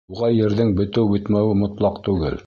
Уға ерҙең бөтөү-бөтмәүе мотлаҡ түгел.